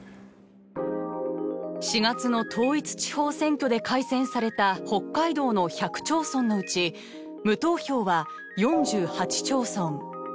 ４月の統一地方選挙で改選された北海道の１００町村のうち無投票は４８町村。